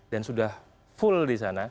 dan sudah full di sana